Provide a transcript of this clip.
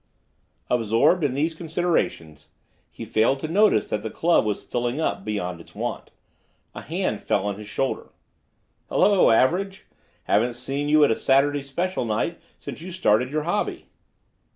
Absorbed in these considerations, he failed to notice that the club was filling up beyond its wont. A hand fell on his shoulder. "Hello, Average. Haven't seen you at a Saturday special night since you started your hobby."